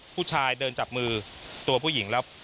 ผู้ชายเดินจับมือตัวผู้หญิงแล้ว